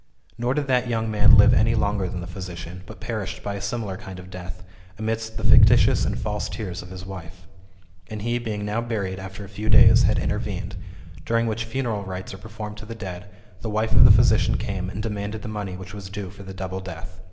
Nor did that young man live any longer than the physician, but perished by a similar kind of death, amidst the fictitious and false tears of his wife. And he, being now buried, after a few days^^ had intervened, during which funeral rites are performed to the dead, the wife of the physician came and demanded the money which was due for the double death.